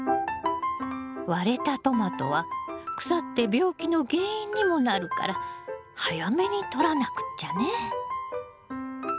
割れたトマトは腐って病気の原因にもなるから早めに取らなくっちゃね。